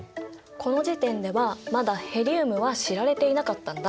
この時点ではまだヘリウムは知られていなかったんだ。